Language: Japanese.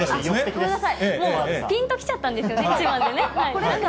ぴんときちゃったんですよね、１番でね。